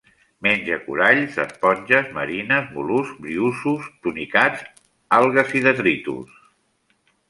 Menja coralls, esponges marines, mol·luscs, briozous, tunicats, algues i detritus.